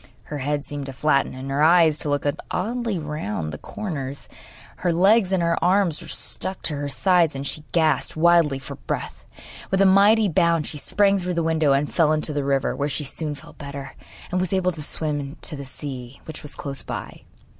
Her head seemed to flatten, and her eyes to look oddly round the corners; her legs and her arms were stuck to her sides, and she gasped wildly for breath. With a mighty bound she sprang through the window and fell into the river, where she soon felt better, and was able to swim to the sea, which was close by.